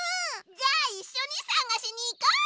じゃあいっしょにさがしにいこう！